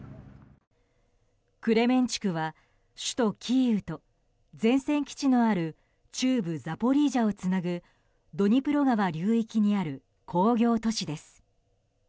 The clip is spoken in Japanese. クレメンチュクは首都キーウと前線基地のある中部ザポリージャをつなぐドニプロ川流域にある工業都市です。